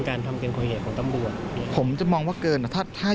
การทำเก็งของต่ำบัวอ่ะผมจะมองว่าเกินถ้าถ้า